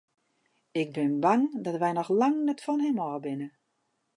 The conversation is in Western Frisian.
Ik bin bang dat wy noch lang net fan him ôf binne.